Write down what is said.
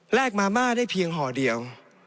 มาม่าได้เพียงห่อเดียว